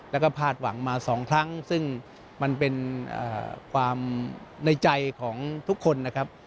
แล้วก็พาดหวังมาสองครั้งซึ่งมันเป็นความในใจของทุกคนนะครับ